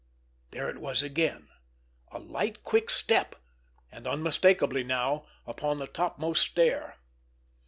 _—there it was again—a light, quick step—and, unmistakably now, upon the topmost stair.